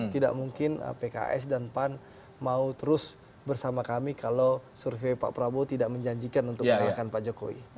tidak mungkin pks dan pan mau terus bersama kami kalau survei pak prabowo tidak menjanjikan untuk mengalahkan pak jokowi